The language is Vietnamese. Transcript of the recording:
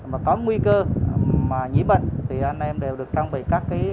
mà có nguy cơ mà nhỉ bệnh thì anh em đều được trang bị các trang thiết bị bảo hộ